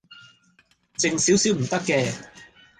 靜少少唔得嘅